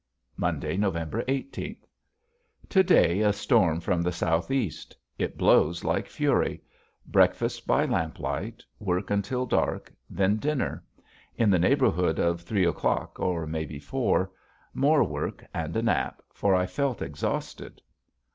Monday, November eighteenth. To day a storm from the southeast. It blows like fury. Breakfast by lamplight, work until dark, then dinner in the neighborhood of three o'clock or maybe four more work, and a nap, for I felt exhausted.